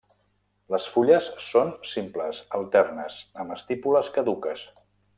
Les fulles són simples, alternes, amb estípules caduques.